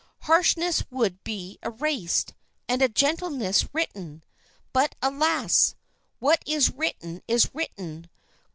Harshness would be erased, and gentleness written. But, alas! what is written is written.